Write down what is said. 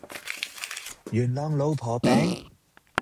元朗老婆餅